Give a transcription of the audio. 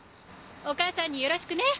お母さんによろしくね。